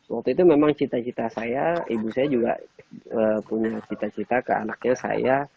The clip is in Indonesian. waktu itu memang cita cita saya ibu saya juga punya cita cita ke anaknya saya